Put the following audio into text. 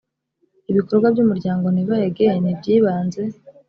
ibikorwa by umuryango never again byibanze